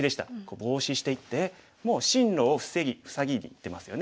ボウシしていってもう進路を塞ぎにいってますよね。